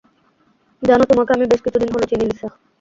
জান, তোমাকে আমি বেশ কিছুদিন হল চিনি, লিসা।